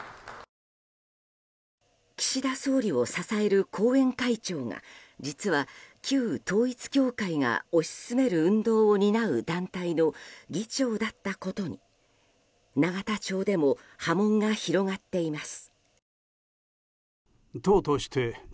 岸田総理を支える後援会長が実は旧統一教会が推し進める運動を担う団体の議長だったことに永田町でも波紋が広がっています。